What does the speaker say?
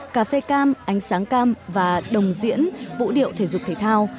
cà phê cam ánh sáng cam và đồng diễn vũ điệu thể dục thể thao